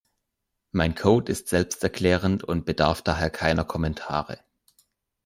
Mein Code ist selbsterklärend und bedarf daher keiner Kommentare.